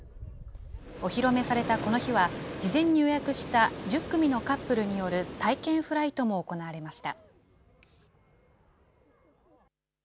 お披露目されたこの日は、事前に予約した１０組のカップルによる体験フライトも行われました。